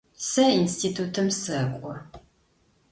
Сэ институтым сэкӏо.